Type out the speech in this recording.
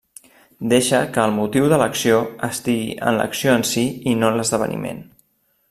Deixa que el motiu de l’acció estigui en l’acció en si i no en l’esdeveniment.